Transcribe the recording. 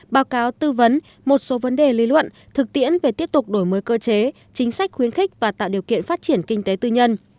báo cáo tư vấn một số vấn đề lý luận thực tiễn về tiếp tục đổi mới cơ chế chính sách khuyến khích và tạo điều kiện phát triển kinh tế tư nhân